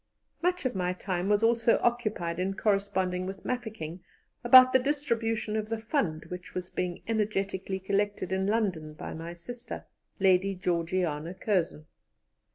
Much of my time was also occupied in corresponding with Mafeking about the distribution of the fund which was being energetically collected in London by my sister, Lady Georgiana Curzon.